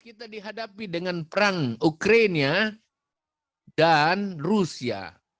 kita dihadapi dengan perang ukraina dan rusia